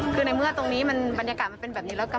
คือในเมื่อตรงนี้มันบรรยากาศมันเป็นแบบนี้แล้วกัน